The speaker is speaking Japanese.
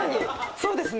そうですね。